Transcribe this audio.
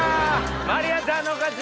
まりあちゃんの勝ち！